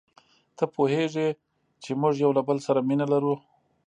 ته پوهیږې چي موږ یو له بل سره مینه لرو.